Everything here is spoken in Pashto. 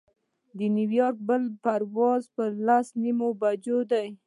د نیویارک بل پرواز پر لس نیمو بجو دی.